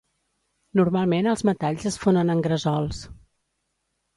Normalment els metalls es fonen en gresols.